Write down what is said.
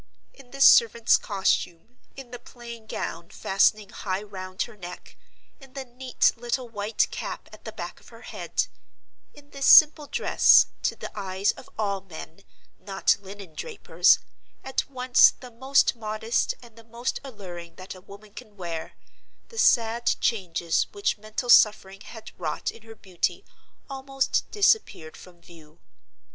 In this servant's costume—in the plain gown fastening high round her neck, in the neat little white cap at the back of her head—in this simple dress, to the eyes of all men, not linen drapers, at once the most modest and the most alluring that a woman can wear, the sad changes which mental suffering had wrought in her beauty almost disappeared from view.